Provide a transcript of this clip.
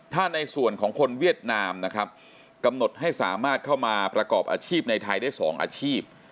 ถ้าในส่วนของคนเวียดนามนะครับกำหนดให้สามารถเข้ามาประกอบอาชีพในไทยได้๒อาชีพ